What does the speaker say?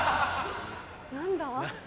何だ？